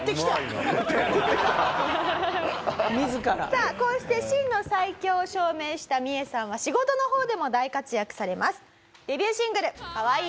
さあこうして真の最強を証明したミエさんは仕事の方でも大活躍されます。